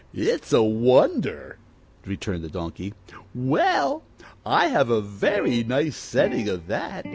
"It's a wonder," returned the Donkey. "Well, I have a very nice setting of that."